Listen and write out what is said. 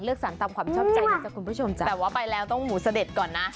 เลือกสั่งตามความชอบใจนะครับคุณผู้ชมแต่ว่าไปแล้วต้องหมูเสด็จก่อนนะ